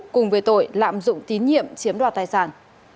cùng về tội lạm dụng tín nhiệm chiếm đoạt tài sản